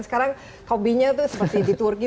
sekarang hobinya itu seperti diturunkan